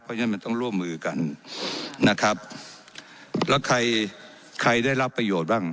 เพราะฉะนั้นมันต้องร่วมมือกันนะครับแล้วใครใครได้รับประโยชน์บ้าง